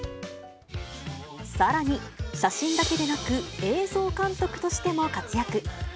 さらに、写真だけでなく、映像監督としても活躍。